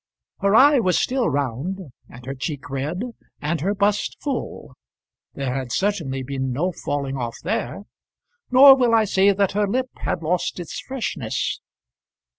Her eye was still round, and her cheek red, and her bust full, there had certainly been no falling off there; nor will I say that her lip had lost its freshness.